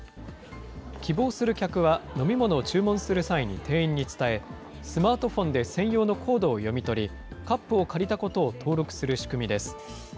希望する客は、飲み物を注文する際に店員に伝え、スマートフォンで専用のコードを読み取り、カップを借りたことを登録する仕組みです。